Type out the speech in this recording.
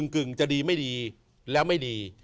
กึ่งจะดีไม่ดีแล้วไม่ดี